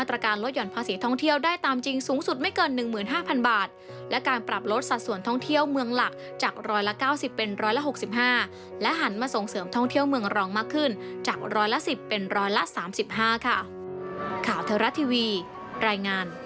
รายได้จากการท่องเที่ยวตลอดปี